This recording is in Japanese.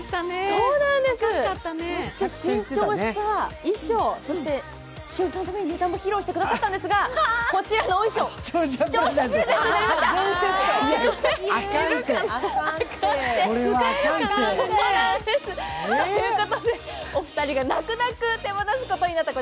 そして新調した衣裳、栞里さんのネタも披露してもらったんですがこちらのお衣装、視聴者プレゼントになりました。